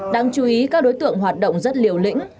đáng chú ý các đối tượng hoạt động rất liều lĩnh